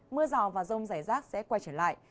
mưa rào và rông rải rác sẽ quay trở lại